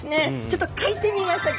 ちょっと描いてみました。